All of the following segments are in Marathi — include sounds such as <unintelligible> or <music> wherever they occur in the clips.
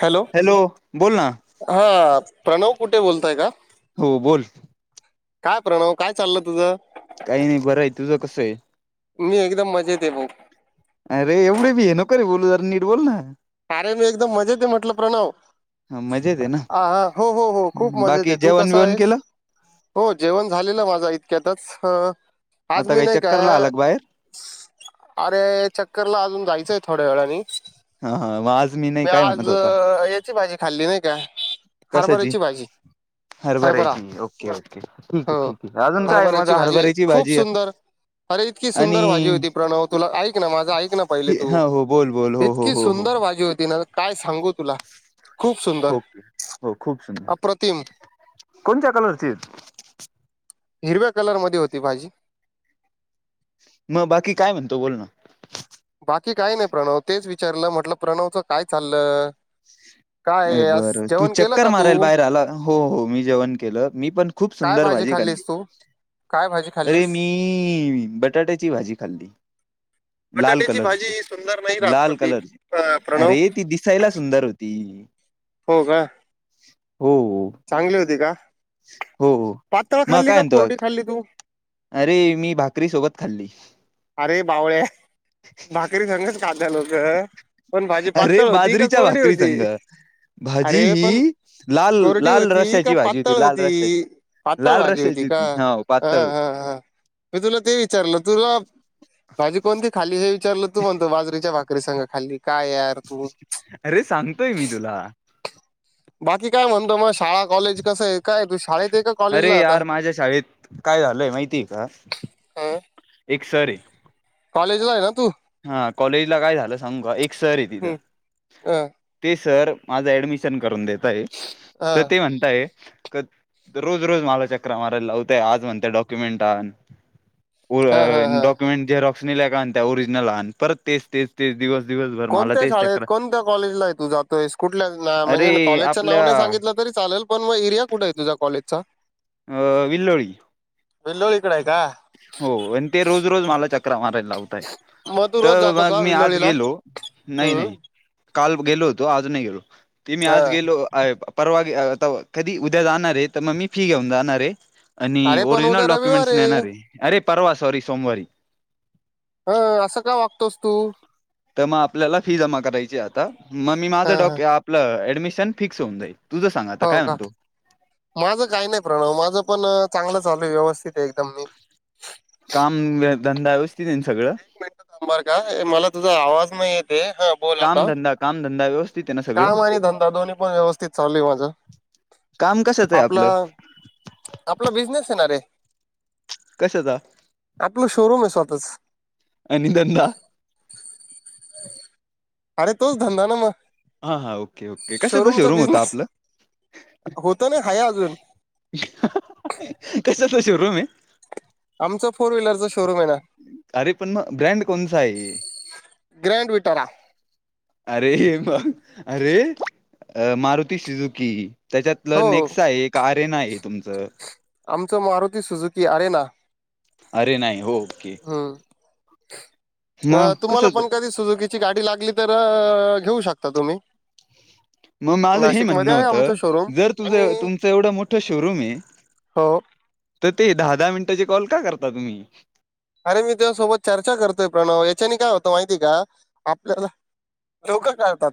हॅलो बोल ना हा प्रणव कुटे बोलतय का? हो बोल. काय प्रणव काय चाललं तुझं? काही नाही बरं आहे तुझं कस आहे? मी एकदम मजेत आहे भाऊ अरे एवढे बी हे नको रे बोलू जर नीट बोल ना. अरे मी एकदम मजेत म्हटलं प्रणव. मजेत आहे आ हो हो हो खूप ना मजेत बाकी आहे तू जेवण कस बिवण आहेस? केलं हो जेवण झालेलं माझा इतक्यातच अ. आज आता मी काही नाही का? चक्करला आला बाहेर अरे! चक्करला अजून जायचं आहे. थोड्यावेळानी हा हा मग आज नाही मी काय आज म्हणत होता याची भाजी खाल्ली नाही का कशाची हरभारची भाजी. हरभरा हरभऱ्याची ओके, ओके ठीक आहे. हो ठीक आहे अजून काय मग हरभऱ्याची भाजी हरभऱ्याची खूप भाजी. सुंदर अरे इतकी आणि सुंदर भाजी होती. प्रणव तुला ऐक ना माझं ऐक ना पहिले तू हा हो बोल बोल हो हो इतकी हो हो सुंदर भाजी होती. होती ना काय सांगू तुला? खूप सुंदर हो--हो खूप सुंदर अप्रतिम कोणत्या कलरचे? हिरव्या कलर मदे होती भाजी. म बाकी काय म्हणतो बोल ना. बाकी काय नाइ प्रणव तेच विचारलं म्हटलं प्रणवच काय चाललं? काय अ आहे? आज बर तू जेवण केलं चक्कर का मारायला तू बाहेर आला हो हो मी जेवण केलं मी पण खूप सुंदर भाजी खाल्ली खाल्लीस तू काय भाजी अरे खाल्लीस मीइ बटाट्याची भाजी खाल्ली. लाल बटाट्याची कलरची भाजी सुंदर नाही राहत लाल प्रतीक कलरची प्रणव अरे ती दिसायला सुंदर होती हो का हो, चांगली होती का हो हो पातळ मग खाल्ली काय का कोरडी म्हतुग खाल्ली तू अरे मी भाकरी सोबत खाल्ली अरे बावळ्या भाकरी सगच <unintelligible> पण भाजी अरे पातळ होती का बाजरीच्या कोरडी भाकरी होती संग. भाजी अरे पण ही लाल कोरडी लाल होती का रश्याची भाजी पातळ लाल होती रश्याची. पातळ लाल भाजी रश्याची होती का हो ह पातळ होती. ह हा मी तुला ते विचारलं तुला भाजी कोणती खाली हे विचारलं तू म्हणतो बाजरीच्या भाकरी सांग खाल्ली काय यार तू अरे सांगतोय मी तुला <unintelligible> काय <unintelligible> शाळा कॉलेज कसय काय तू शाळेत आय कॉलेजला अरे हाय यार आता माझ्या शाळेत काय झालंय माहितीये का? हा <unintelligible> एक सर ये. लेजला आय ना तू हा कॉलेजला काय झालं सांगू का एक सर आय तित हा ते सर माज ऍडमिशन करून देतयतर ते म्हणतय क रोज रोज मला चक्र मारायला लावते आज म्हणते डॉक्युमेंट हा हा हा डॉक्युमेंट जे रॉक्स का त्या ओरिजिनल परत तेच तेच तेच दिवस दिवसभर मला कोणत्या तेच शाळेत चक्र कोणत्या कॉलेजला तू जातोयस कुटल्या म्हणजे अरे कॉलेजच्या नाव आपल्या नाही सांगितलं तरी चाल पण मग एरिया कुटाय तुज्या कॉजलेजचा अ विल्लोळी बिल्लोळीकडयत हो आणि ते रोज रोज मला चकरा मारा लावतायत मग तू त रोज जातो मग का मी आज विल्लोळीला गेलो नाइ हम्म नाइ काल गेलो होतो आज गेलो तेमी हा आज गेलो परवा आता कदि उद्या जाणारेय तर मग मी फी घेऊन जाणारेय आणि अरे पण ओरिजिनल उद्या रविवार डॉक्युमेंट्स आहे नेणाररेय अरे परवा सॉरी सोमवारी अ असं काय वागतोस तू त मग आपल्याला फी जमा करायची आता मग मी हा माझं डॉ आपल अ मिशन फिक्स होन जाईल तुझं सांग आता हो काय का म्हणतो माझं काही नाही प्रणव माझं पण चांगलं चालूय व्यवस्थित एकदम मी काम व्य- धंदा <unintelligible> एक मिनट थांब बरका मला तुझा आवाज नाइ येतेय हा बोल काम आता धंदा काम धंदा व्यवस्थित आहे ना सगळं काम आणि धंदा दोन्ही पण व्यवस्थित त चालू आहे माझं काम कशाचं आहे आपल आपलं आपला बिझनेस आय ना रे कशाचा आपल शोरूम आय स्वतःच आणि धंदा अरे तोच धंदा ना म हा हा ओके ओके कशाच शोरूम होत बिझनेस आपलं होतो ना हाय अजून कस तश रूम आहे आमचं फोर व्हीलरचं शोरूम आहे ना अरे पण म ब्रँड कोणचा <unintelligible> ग्रँड विटारा अरे मग अरे अ मारुती शिजूकी हो त्याच्यातलं नेक्स्ट आहे एक आरेन आहे तुमचं मारुती सुझुकी अरे ना अरे नाही हो ओके हम् अ मग तुम्हाला कसं त- पण कधी सुजुकीची गाडी लागली तर घेऊ शकता तुम्ही. मग माझं हे नाशिकमध्ये म्हणणं आहे आमचं होतं शोरूम जर आणि तुझं तुमचं एवढं मोठं शोरूम आहे. हो. तर ते दहा दहा मिनिटाचे कॉल का करता तुम्ही? अरे मी त्या सोबत चर्चा करतोय प्रणव, याच्याने काय होतं माहिती का आपल्याला लोक करतात.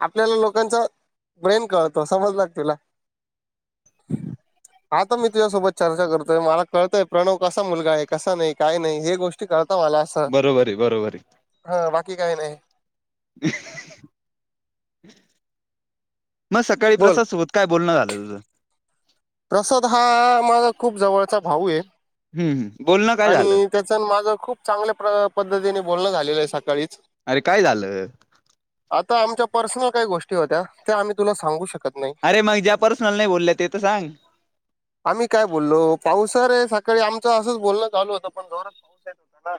आपल्याला लोकांच ब्रेन कळतो समजल का तुला? आता मी तुझ्यासोबत चर्चा करतोय मला कळतय प्रणव कसा मुलगा आहे कसा नाही. काय नाही हे गोष्टी कर. मला असं बरोबर आहे बरोबर आहे हा बाकी काही नाही. हम्म मग सकाळी बोल प्रसाद सोबत काय बोलणं झालं तुझं? प्रसाद हा माझा खूप जवळचा भाऊ आहे. हम्म हम्म. बोलणं काय झालं आणि त्याच माझ खूप चांगल्या पद्धतीने बोलणं झालेलं आहे सकाळीच अरे काय झालं आता आमच्या पर्सनल काही गोष्टी होत्या त्या आम्ही तुला सांगू शकताो अरे मग ज्या पर्सनल नाही बोलले ते तर सांग आम्ही काय बोललो पावसा रे सा तिकडे आमचं असंच बोलणं चालू होत पण जोरात पाऊस येत होता ना.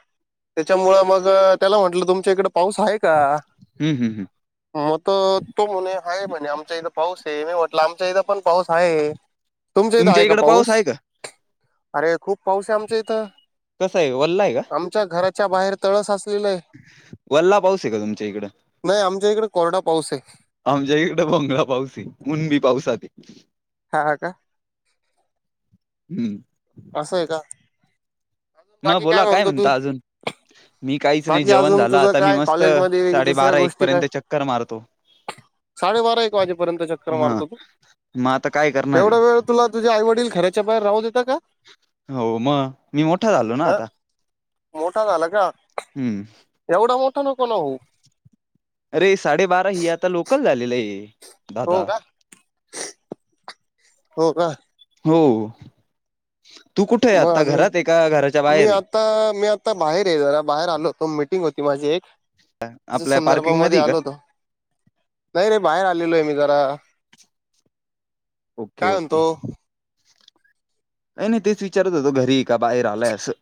त्याच्या मूळ मग त्याला म्हटलं तुमच्या इकडे पाऊस आहे का? हम्म हम्म हम्म. मग तर तो म्हणे आहे म्हणे आमच्या इथं पाऊस ते मी म्हटलं आमच्या इथं पण पाऊस आहे. तुमच्या इथं आहे का इकडं पाऊस? आहे का अरे खूप पाऊस आहे आमच्यां इथं. कसा आहे वल्ला आहे का आमच्या घराच्या बाहेर तळ साचलेलंय. वल्ला पाऊस आहे का तुमच्या इकडं? नाही आमच्या इकडे कोरडा पाऊस आहे. आमच्या इकडे भोंगळा पाऊसये उनबी पाऊसात. हा ह का. हम्म असंय का. मग बाकी बोला काय म्हणतो तू म्हणता अजून? मी काहीच नाही बाकी जेवण अजून झालं तुझं आता मी काय मस्त कॉलेजमध्ये दुसऱ्या साडेबारा एक गोष्टी काय? पर्यंत चक्कर मारतो. साडेबारा एक वाजेपर्यंत चक्र हा मारतो तू? मग आता काय करणार आहे एवढा वेळ तुला तुझ्या आईवडील घराच्या बाहेर राहू देता का? हो म मो ह मोठा झाला का? हम्म एवढा मोठा नको ना होऊ. अरे साडेबारा ही आता लोकल झालेलं आहे. हो दादा. का हो का हो <inaudible> कुठे आहे मग आता अजून घरात आहे का घराच्या मी बाहेर आहे आता मी आता बाहेर आहे जरा बाहेर आलो तो मिटिंग होती. ती माझी एक. त्याच्या आपल्या पार्किंग संदर्भामध्ये मध्ये आहे का आलोतो नाही रे बाहेर आलेलो आहे मी जरा. ओके काय ओके म्हणतो नाही नाही तेच विचारत होतो घरी का? बाहेर आलंय असं.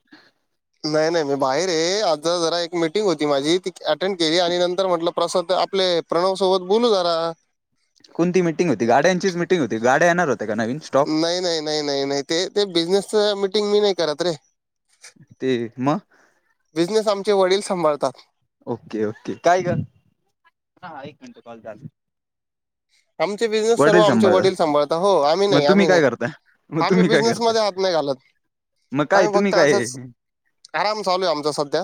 नाही नाही मी बाहेर हे, आता जरा एक मीटिंग होती माझी ती अटेंड केली आणि नंतर म्हटलं प्रसाद आपले प्रणवसोबत बोलू जरा. कोणती मिटिंग होती? गाड्यांचीच मिटिंग होती, गाड्या येणार हो नाही नाही नाही नाही ते ते बिझनेसच मीटिंग मी नाही करत रे. ते मग बिझनेस आमचे वडील संभाळतात. ओके, ओके काय ग हा एक मिनटं कॉल चालू आमचे बिझनेस सर्व वडील आमचे सांभाळता वडील सांभाळता. हो आम्ही नाही मग तुम्ही आम्ही काय नाही करता मग आम्ही तुम्ही काय बिझनेस करताय मध्ये हात नाही घालत. मग काय आम्ही तुम्ही फक्त काय असंच, आराम चालू हाय आमचा सध्या.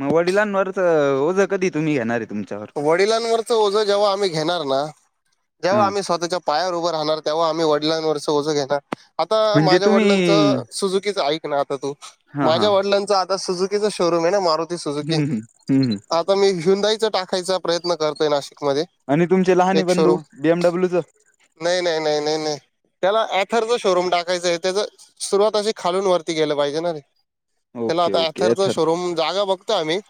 मग वडिलांवरच ओझं कधी तुम्ही घेणारय? वडिलांवरच ओझं जेव्हा आम्ही घेणार ना, जेव्हा हा आम्ही स्वतःच्या पायावर उभर राहणार तेव्हा आम्ही वडलांवरच ओझं घेणार. आता म्हणजे माझ्या वडिलांच तुम्ही सुुझुकीच एक ना आता तू हा हा माझ्या वडिलांचं आता सुझुकीच शोरूम आहे ना मारु ती सुझुकी. हम्म हम्म हम्म आता मी ह्युदाईच टाकायचा प्रयत्न करतोय नाशि मधे आणि तुमचे लहाने एक बंधू शोरूम बीएमडब्ल्यूच नाही नाही नाही. नाही त्याला ऍथरचा शोरूम टाकायच आहे त्याच सुरुवात अशी खालून वरती गेलं पाहिजे ना? त्याला ओके आता ओके ॲथरच शोरूम जागा बघतोय आम्ही.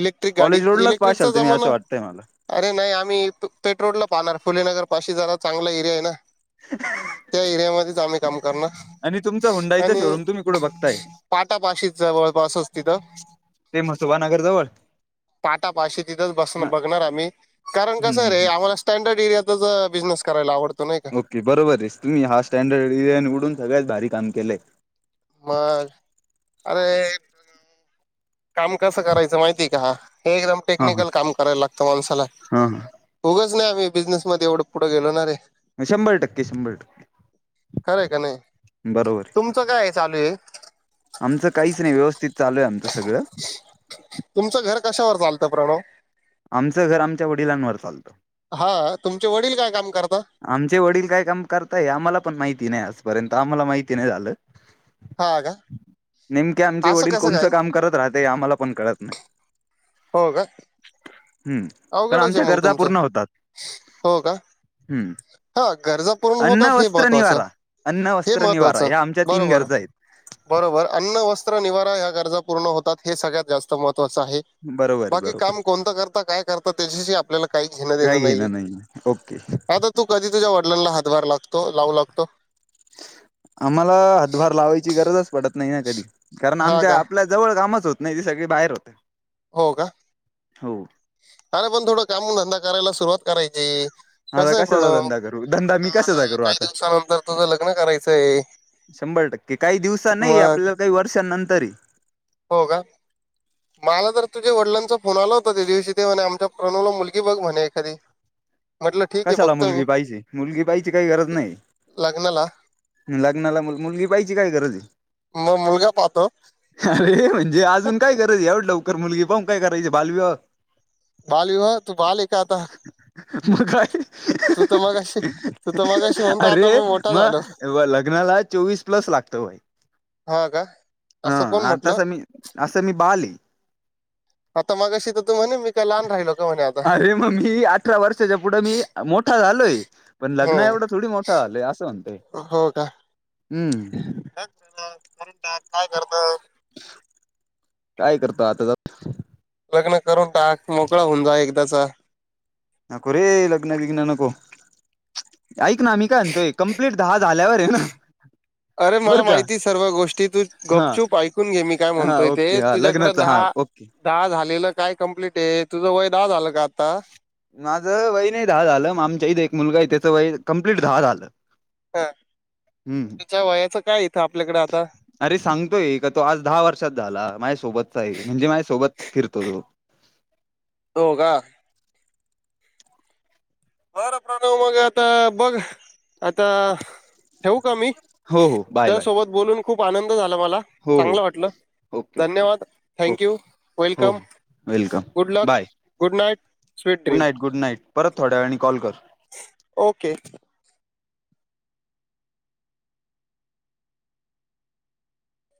इलेक्ट्रिक गाडी कॉलेज रोडलाच इलेक्ट्रिकचा पाशाल तुम्ही जमाना असं वाटतंय मला अरे नाही आम्ही पेट्रोलला पानार फुले नगर पाशी जरा चांगला एरिया आहे ना? <inaudible> त्या एरियामध्येच आम्ही काम करणार. आणि तुमचा हुंडाईचा आणि शोरूम तुम्ही कुठे बघताय पाटापाशी जवळपासचं तिथं, ते म सुभानगर जवळ? पाशी तिथचं बस हा बघणार आम्ही, कारण हम्म कसय हम्म रे हम्म. आम्हाला स्टँड डर्ड एरियातच अं बिझनेस करायला आवडत. ओके, बरोबर आहेस तुम्ही हा स्टँडर्ड एरिया उडून सगळ्यात भारी काम केलंय. मग अरे काम कसं करायचं माहितीय का? हे एकदम हा हा टेक्निकल काम करायला लागतं माणसाला हा उगाच उगच नाही आम्ही बिझनेसमध्ये एवढं पुढं गेलो ना रे. हा. शंभर टक्के शंभर खरयं का नाही? टक्के बरोबर तुमचं काय चालू हे? आमचं काहीच नाही. व्यवस्थित चालू आहे आमचं सगळं. तुमचं घर कशावर चालतं? प्रणव. आमचं घर आमच्या वडिलांवर चालतं. हा तुमचे वडील काय काम कर आमचे वडील काय काम करताय? आम्हाला पण माहिती नाही आजपर्यंत, आम्हाला माहिती नाही झालं. हा का. नेमके आमचे असं वडील कसं काय कोणचं काम करत राहते? आम्हाला पण कळत नाही. हो का हम्म पण अवघडच आमच्या आहे मग गरजा तुमचं पूर्ण होतात. हो का हम्म हा गरजा पूर्ण अन्न, होतात हे वस्त्र, महत्वाचं निवारा. अन्न, हे वस्त्र, निवारा महत्वाचं ह्या आमच्या तीन बरोबर गरज आहेत. बरोबर अन्न, वस्त्र, निवारा ह्या ग रजा पुर्ण होतात हे सळगळ्यात जास्त महत्वाचं आहे. बरोबर आहे बाकी बरोबर काम कोणत करता काय करता त्याच्याशी आपल्याला काही घेण देण काही नाही आहे. घेणं ओके आता तु कधी तुझ्या वडिलांला हातभार लागतो, लावू लागतो? आम्हाला हातभार लावायची गरजच पडत नाही ना कधी कारण हा आमच्या का आपल्या जवळ कामच होत नाही ती सगळी बाहेर होत हो का हो अरे पण थोडं काम धंदा करायला सुरुवात करायची. आता कसं आहे कशाचा प्रणव धंदा करू धंदा मी कशाचा आता करू काही आता. दिवसानंतर तुझं लग्न करायचंय. शंभर टक्के काही दिवस नाही आपल्याला काही वर्षांनंतरय. हो का. मला तर तुझ्या वडिलांचा फोन आला होता त्या दिवशी ते आमच्या प्रणवला मुलगी बघ म्हणे एखादी. <inaudible> ठीक आहे कशाला बघतो मी मुलगी पाहिजे, मुलगी पाहायची काही गरज नाही. लग्नाला लग्नाला मुलगी, पाहिची काय गरज ये. मग मुलगा पाहतो <inaudible> अरे म्हणजे अजून काय गरज एवढ लवकर मुलगी पाऊन काय करायची बाल विवाह. बालविवाह तू बाल ए का आता? मग काय? तू तर मगाशी तू तर मगाशी म्हणतो आता अरे! मी मोठा झालो मग लग्नाला चोवीस प्लस लागतो भाई हा का हा असं कोण आण म्हटलं तसा मी, असं मी बाल ये. आता मगाशी तर तू म्हणे मी काय लहान राहिलो का म्हणे आता अरे मग मी अठरा वर्षाच्या पुढे मी मोठा झालोय पण लग्न हं. एवढं थोडी मोठा झालोय असं म्हणतोय. हो हम्म क <unintelligible> रून टा काय करत. काय करतो आता तर लग्न करून टाक मोकळा होऊन जा एकदाचा. नको रे लग्न बिघ्न नको ऐक ना मी काय म्हणतोय कंप्लीट दहा झाल्यावर आहे ना. अरे मला बरं का माहिती सर्व गोष्टी तू हा गुपचूप ऐकून घे मी काय हा म्हणतोय ते ओके हा तुझ्याकडे लग्नाचं दहा हा ओके. दहा झालेलं काय कम्प्लीट आहे तुझं वय दहा झालं का आता? माझं वय नाही दहा झालं, मग आमच्या इथं एक मुलगा आहे त्याच वय कंप्लीट दहा झालं. हा हम्म तेच्या वयाच काय इथं आपल्याकडे आता? अरे सांगतोय का तो आज दहा वर्षात झाला माझ्यासोबतचाही म्हणजे माझ्यासोबत फिरतो तो <inaudible> हो का? बर प्रणव मग आता बघ, आता ठेऊ का मी? हो हो बाय बाय. त्यासोबत बोलून खूप आनंद झाला मला हो हो चांगलं वाटलं. ओके ओके धन्यवाद थँक ओके यू हो वेलकम हो welcome good luck bye good night. Sweet good dream night good night परत थोड्या वेळानि ओके.